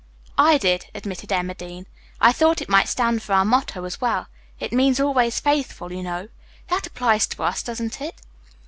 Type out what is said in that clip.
"I did," admitted Emma Dean. "I thought it might stand for our motto as well. It means 'always faithful,' you know. That applies to us, doesn't it?"